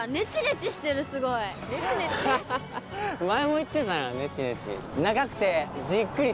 ハハハ前も言ってたなネチネチ。